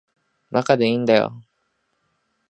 馬鹿でいいんだよ。